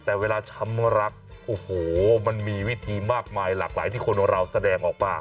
แต่เวลาช้ำรักโอ้โหมันมีวิธีมากมายหลากหลายที่คนของเราแสดงออกมา